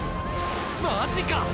マジか！！